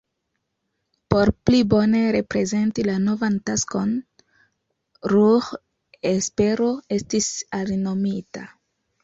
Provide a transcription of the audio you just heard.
Por pli bone reprezenti la novan taskon, Ruhr-Espero estis alinomita.